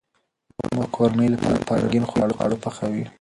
مور د کورنۍ لپاره رنګین خواړه پخوي.